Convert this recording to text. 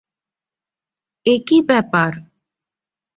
এ কী ব্যাপার।